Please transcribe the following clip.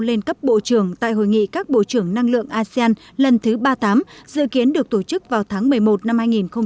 lên cấp bộ trưởng tại hội nghị các bộ trưởng năng lượng asean lần thứ ba mươi tám dự kiến được tổ chức vào tháng một mươi một năm hai nghìn hai mươi